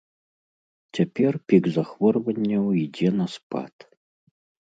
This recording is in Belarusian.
Цяпер пік захворванняў ідзе на спад.